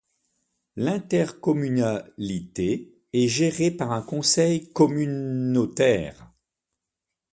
L'intercommunalité est gérée par un conseil communautaire.